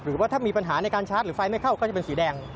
หรือว่าถ้ามีปัญหาในการชาร์จหรือไฟไม่เข้าก็จะเป็นสีแดง